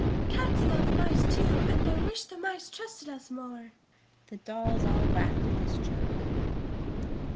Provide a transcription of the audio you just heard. "Cats love mice, too, and I wish the mice trusted us more!" The dolls all laughed at this joke.